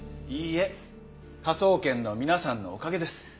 いいえ科捜研の皆さんのおかげです。